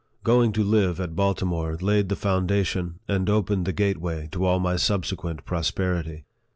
Going to live at Baltimore laid the foundation, and opened the gateway, to all my subsequent prosperity.